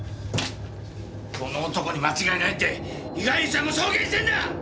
この男に間違いないって被害者も証言してんだ！